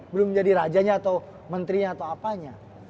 belum jadi rajanya atau menterinya atau apanya